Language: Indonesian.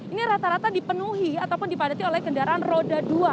ini rata rata dipenuhi ataupun dipadati oleh kendaraan roda dua